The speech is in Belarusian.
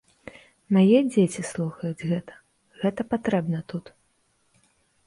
Мае дзеці слухаюць гэта, гэта патрэбна тут.